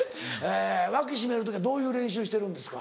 脇しめる時はどういう練習してるんですか？